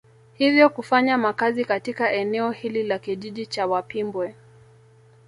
Hivyo kufanya makazi katika eneo hili la kijiji cha Wapimbwe